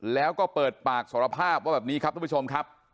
แล้วก็เปิดปากสารภาพว่าแบบนี้ครับทุกผู้ชมครับ